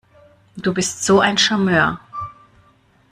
Du bist so ein Charmeur!